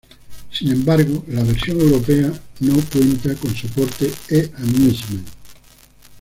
Sin embargo, la versión europea no cuenta con soporte e-Amusement.